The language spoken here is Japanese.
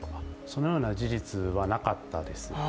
そのような事実はなかったです。